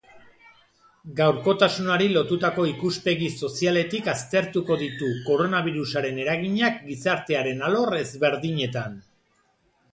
Gaurkotasunari lotutako ikuspegi sozialetik aztertuko ditu koronabirusaren eraginak gizartearen alor ezberdinetan.